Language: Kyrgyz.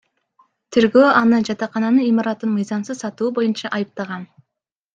Тергөө аны жатакананын имаратын мыйзамсыз сатуу боюнча айыптаган.